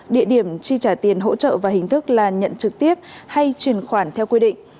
địa điểm chi trả tiền hỗ trợ và hình thức là nhận trực tiếp hay truyền khoản theo quy định